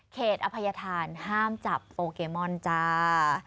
อภัยธานห้ามจับโปเกมอนจ้า